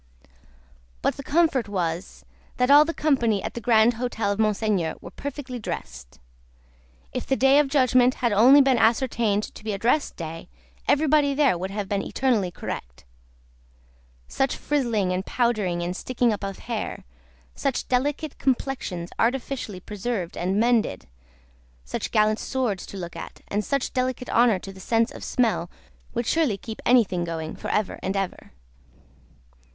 But, the comfort was, that all the company at the grand hotel of Monseigneur were perfectly dressed. If the Day of Judgment had only been ascertained to be a dress day, everybody there would have been eternally correct. Such frizzling and powdering and sticking up of hair, such delicate complexions artificially preserved and mended, such gallant swords to look at, and such delicate honour to the sense of smell, would surely keep anything going, for ever and ever.